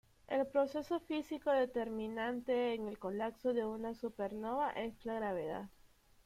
El proceso físico determinante en el colapso de una supernova es la gravedad.